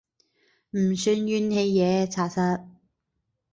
唔算怨氣嘢查實